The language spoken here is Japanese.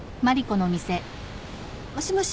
もしもし。